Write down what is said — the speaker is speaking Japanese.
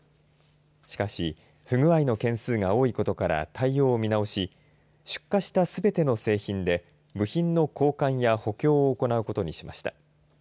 しかし不具合の件数が多いことから対応を見直し出荷したすべての製品で部品の交換や補強を行うことにしました。